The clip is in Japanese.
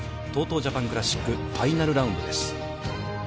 ジャパンクラシックファイナルラウンドです。